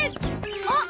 あっ！